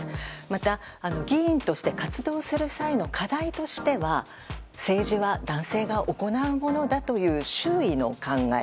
また、議員として活動する際の課題としては政治は男性が行うものだという周囲の考え。